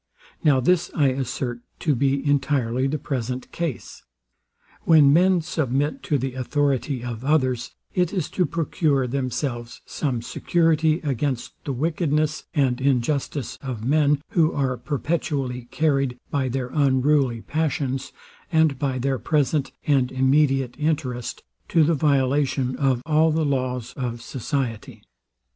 Now this I assert to be entirely the present case. When men submit to the authority of others, it is to procure themselves some security against the wickedness and injustice of men, who are perpetually carried, by their unruly passions, and by their present and immediate interest, to the violation of all the laws of society.